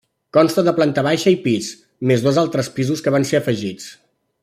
Consta de planta baixa i pis, més dos altres pisos que van ser afegits.